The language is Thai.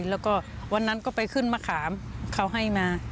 แล้วก็วันนั้นก็ไปขึ้นมะขามเขาให้มา